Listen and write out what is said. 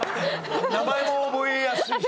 名前も覚えやすいし。